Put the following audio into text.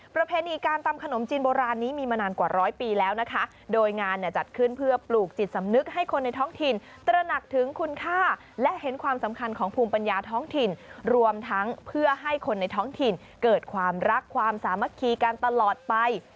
ประเพณีการตำขนมจีนโบราณนี้มีมานานกว่าร้อยปีแล้วนะคะโดยงานเนี่ยจัดขึ้นเพื่อปลูกจิตสำนึกให้คนในท้องถิ่นตระหนักถึงคุณค่าและเห็นความสำคัญของภูมิปัญญาท้องถิ่นรวมทั้งเพื่อให้คนในท้องถิ่นเกิดความรักความสามัคคีกันตลอดไป